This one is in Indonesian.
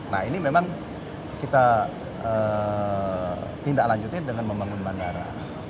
nah ini memang kita tindak lanjutnya dengan membangun bandara